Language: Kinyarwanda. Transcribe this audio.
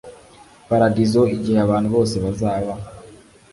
paradizo igihe abantu bose bazaba